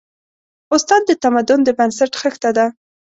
استاد د تمدن د بنسټ خښته ده.